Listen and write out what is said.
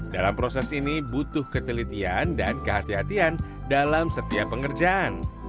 dalam proses ini butuh ketelitian dan kehatian dalam setiap pengerjaan